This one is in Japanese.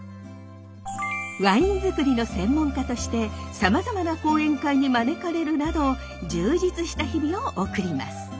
ワイン作りの専門家としてさまざまな講演会に招かれるなど充実した日々を送ります。